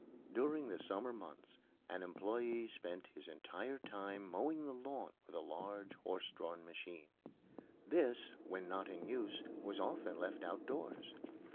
During the summer months an employé spent his entire time mowing the lawn with a large horse drawn machine. This, when not in use, was often left outdoors.